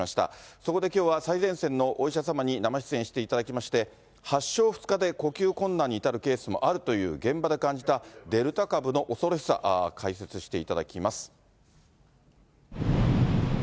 そこできょうは、最前線のお医者様に生出演していただきまして、発症２日で呼吸困難に至るケースもあるという、現場で感じたデルタ株の恐ろしさ、解説していただきます。